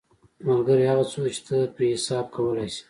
ملګری هغه څوک دی چې ته پرې حساب کولی شې.